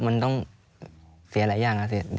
มันต้องเสียหลายอย่างอะสิ